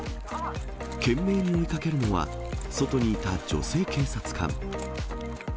懸命に追いかけるのは、外にいた女性警察官。